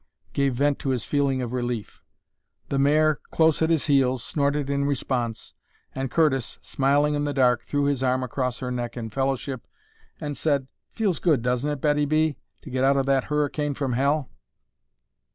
gave vent to his feeling of relief. The mare, close at his heels, snorted in response, and Curtis, smiling in the dark, threw his arm across her neck in fellowship and said, "Feels good, doesn't it, Betty B., to get out of that hurricane from hell?"